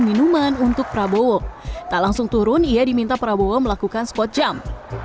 minuman untuk prabowo tak langsung turun ia diminta prabowo melakukan spot jump